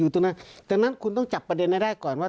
แต่ดังนั้นคุณต้องจับประเด็นในราย